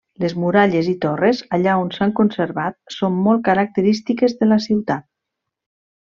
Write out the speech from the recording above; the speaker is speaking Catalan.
Les muralles i torres, allà on s'han conservat, són molt característiques de la ciutat.